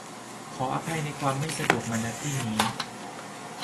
ขออภัยในความไม่สะดวกมา ณ ที่นี้